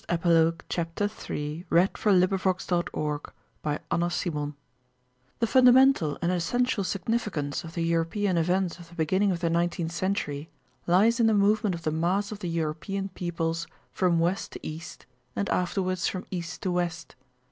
CHAPTER III The fundamental and essential significance of the European events of the beginning of the nineteenth century lies in the movement of the mass of the European peoples from west to east and afterwards from east to west.